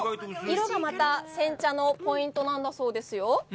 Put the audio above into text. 色がまた煎茶のポイントなんだそうですよ。